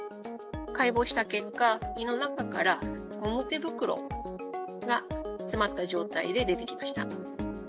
解剖した結果、胃の中から、ゴム手袋が詰まった状態で出てきました。